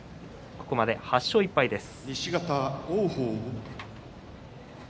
ここまで８勝１敗です。